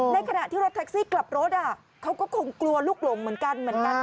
ในขณะที่รถแท็กซี่กลับรถเขาก็คงกลัวลุกลงเหมือนกัน